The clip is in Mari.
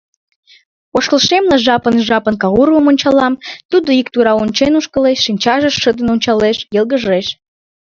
Ошкылшемла, жапын-жапын Кауровым ончалам: тудо ик тура ончен ошкылеш, шинчаже шыдын ончалеш, йылгыжеш...